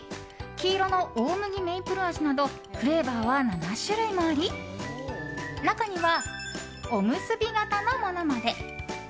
黄色の大麦メープル味などフレーバーは７種類もあり中には、おむすび形のものまで。